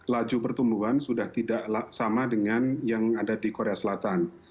laju pertumbuhan sudah tidak sama dengan yang ada di korea selatan